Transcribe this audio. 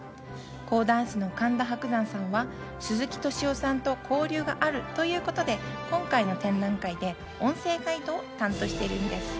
講談師の神田伯山さんは鈴木敏夫さんと交流があるということで、今回の展覧会で音声ガイドを担当しているんです。